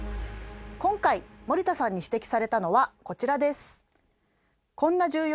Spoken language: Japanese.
今回森田さんに指摘されたのはこちらです。